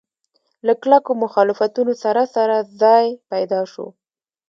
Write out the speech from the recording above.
له کلکو مخالفتونو سره سره ځای پیدا شو.